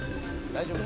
大丈夫。